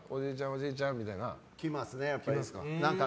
おじいちゃんみたいなきますか？